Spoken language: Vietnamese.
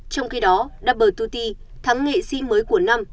trong khi đó doublet thắng nghệ si mới của năm